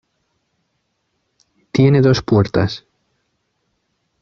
Tiene dos puertas.